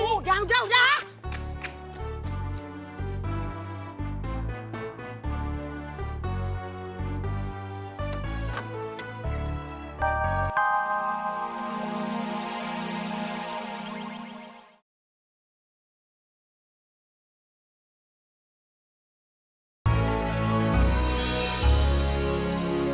tuh jangan jangan